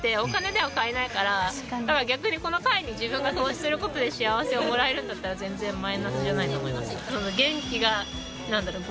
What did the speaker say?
だから逆にこの会に自分が投資する事で幸せをもらえるんだったら全然マイナスじゃないと思います。